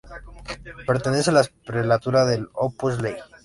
Pertenece a la prelatura del Opus Dei.